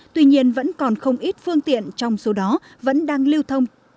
tuy nhiên vẫn còn không ít phương tiện trong số đó vẫn đang lưu thông